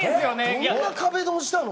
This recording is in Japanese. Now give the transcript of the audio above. どんな壁ドンしたの？